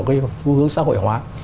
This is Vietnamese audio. cái phương hướng xã hội hóa